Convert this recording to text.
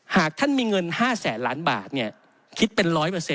หากท่านมีเงิน๕แสนล้านบาทคิดเป็น๑๐๐